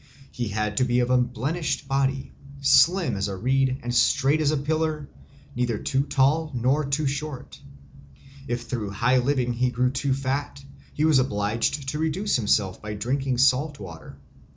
He had to be of unblemished body, slim as a reed and straight as a pillar, neither too tall nor too short. If through high living he grew too fat, he was obliged to reduce himself by drinking salt water.